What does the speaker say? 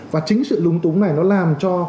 và chính sự lung tung này nó làm cho